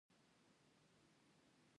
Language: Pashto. کاري راپور ورکول اړین دي